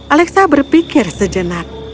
alexam berpikir sejenak